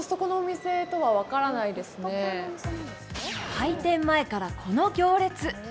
開店前から、この行列。